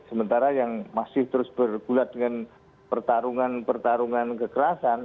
sementara yang masih terus bergulat dengan pertarungan pertarungan kekerasan